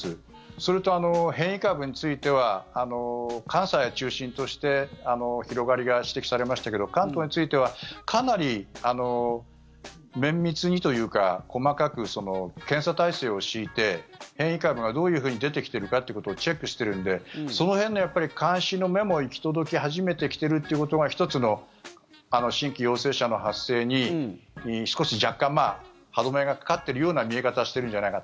それと変異株については関西を中心として広がりが指摘されましたけど関東についてはかなり綿密にというか細かく検査体制を敷いて変異株がどういうふうに出てきているかということをチェックしているのでその辺の関心の目も行き届き始めてきているということが１つの新規陽性者の発生に少し、若干歯止めがかかっているような見え方をしているんじゃないか。